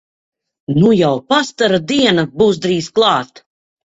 Nu jau pastara diena būs drīz klāt!